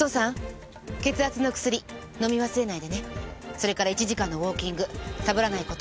それから１時間のウォーキングサボらない事。